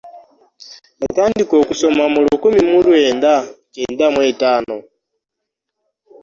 Yatandika okusoma mu lukumi mu lwenda kyenda mu etaano.